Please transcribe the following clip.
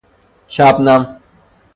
شبنم